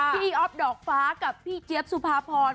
อ๊อฟดอกฟ้ากับพี่เจี๊ยบสุภาพร